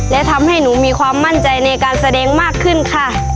และทำให้หนูมีความมั่นใจในการแสดงมากขึ้นค่ะ